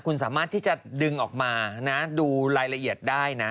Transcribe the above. คุณสามารถที่จะดึงออกมานะดูรายละเอียดได้นะ